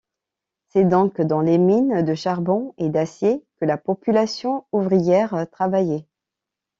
C'est donc dans les mines de charbons et d'acier que la population ouvrière travaillait.